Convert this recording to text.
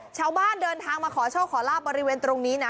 ชาวบ้านเดินทางมาขอโชคขอลาบบริเวณตรงนี้นะ